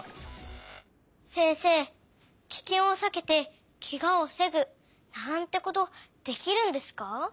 せんせいキケンをさけてケガをふせぐなんてことできるんですか？